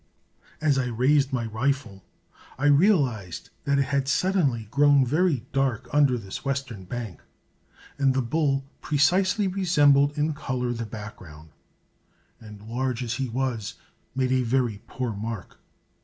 As I raised my rifle, I realized that it had suddenly grown very dark under this western bank, and the bull precisely resembled in color the background, and, large as he was, made a very poor mark.